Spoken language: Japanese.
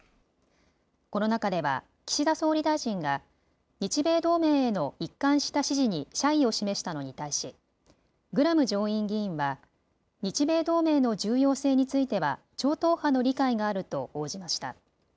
この中では岸田総理大臣が、日米同盟への一貫した支持に謝意を示したのに対し、グラム上院議員は日米同盟の重要性については超党派の理解があると応じました。